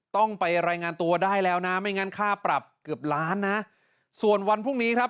ต้องไปรายงานตัวได้แล้วนะไม่งั้นค่าปรับเกือบล้านนะส่วนวันพรุ่งนี้ครับ